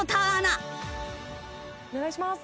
お願いします。